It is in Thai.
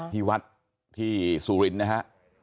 ที่วัดที่สูรินนะฮะ